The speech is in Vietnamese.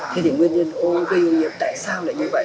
thế thì nguyên nhân gây ô nhiễm tại sao lại như vậy